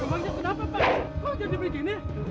rumahnya kenapa kua jadi begini